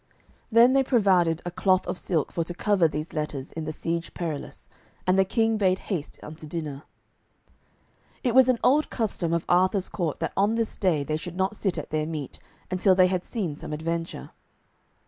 Then they provided a cloth of silk for to cover these letters in the Siege Perilous, and the King bade haste unto dinner. It was an old custom of Arthur's court that on this day they should not sit at their meat until they had seen some adventure.